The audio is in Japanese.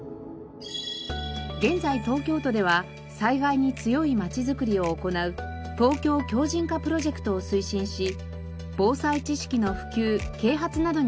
現在東京都では災害に強いまちづくりを行うＴＯＫＹＯ強靭化プロジェクトを推進し防災知識の普及啓発などにも取り組んでいます。